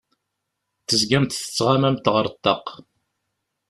Tezgamt tettɣamamt ar ṭṭaq.